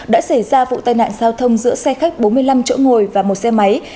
đã xảy ra vụ tai nạn giao thông giữa xe khách bốn mươi năm chỗ ngồi và một xe máy